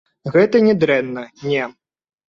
Гэта не дрэнна, не.